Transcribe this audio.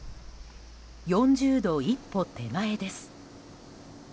４０度一歩手前です。